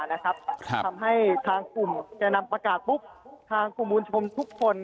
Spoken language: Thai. ทำให้ทางกลุ่มแก่นำประกาศปุ๊บทางกลุ่มมวลชนทุกคน